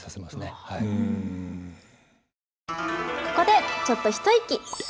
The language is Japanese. ここでちょっと一息！